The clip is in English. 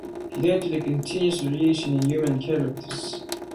He noted the continuous variation in human characters.